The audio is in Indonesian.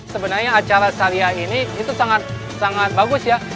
sebenarnya acara syariah ini itu sangat bagus ya